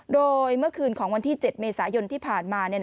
โดยเมื่อคืนของวันที่๗เมษายนที่ผ่านมา